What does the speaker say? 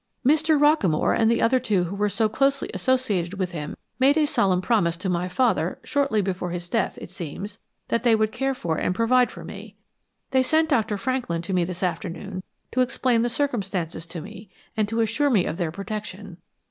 "Mr. Rockamore and the other two who were so closely associated with him made a solemn promise to my father shortly before his death, it seems, that they would care for and provide for me. They sent Dr. Franklin to me this afternoon to explain the circumstances to me, and to assure me of their protection.